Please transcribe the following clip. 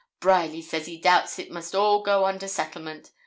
Bryerly says he doubts it must all go under settlement.